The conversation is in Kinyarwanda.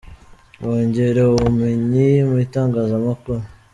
Bongerewe ubumenyi mu itangazamakuru